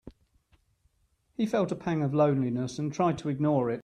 He felt a pang of loneliness and tried to ignore it.